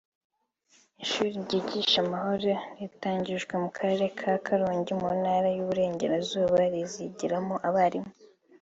Ishuri ryigisha amahoro ritangijwe mu Karere ka Karongi mu Ntara y’Iburengerazuba rizigiramo abarimu